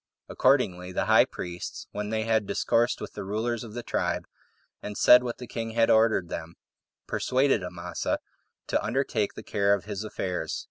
Accordingly the high priests, when they had discoursed with the rulers of the tribe, and said what the king had ordered them, persuaded Amasa to undertake the care of his affairs.